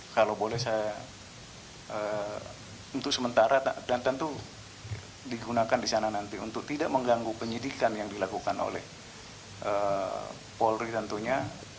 kalau boleh saya untuk sementara dan tentu digunakan di sana nanti untuk tidak mengganggu penyidikan yang dilakukan oleh polri tentunya